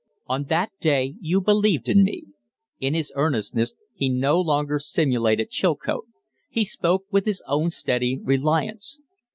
"On that day you believed in me " In his earnestness he no longer simulated Chilcote; he spoke with his own steady reliance.